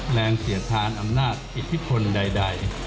เสียทานอำนาจอิทธิพลใด